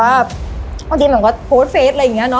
อาจจะมันก็โพสเฟสอะไรอย่างเงี้ยเนอะ